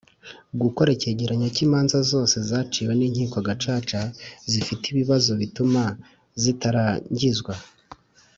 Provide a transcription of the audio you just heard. Gukora icyegeranyo cy imanza zose zaciwe n Inkiko Gacaca zifite ibibazo bituma zitarangizwa